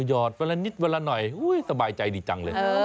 หอดวันละนิดวันละหน่อยสบายใจดีจังเลย